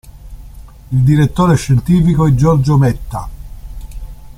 Il direttore scientifico è Giorgio Metta.